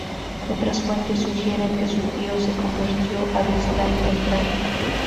Otras fuentes sugieren que su tío se convirtió al Islam temprano.